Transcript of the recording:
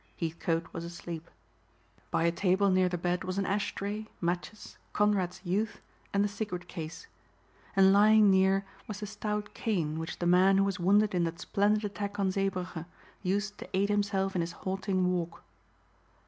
Heathcote was asleep. By a table near the bed was an ash tray, matches, Conrad's "Youth" and the cigarette case. And lying near was the stout cane which the man who was wounded in that splendid attack on Zeebrugge used to aid himself in his halting walk.